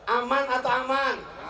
aman atau aman